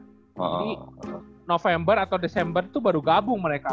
jadi november atau desember tuh baru gabung mereka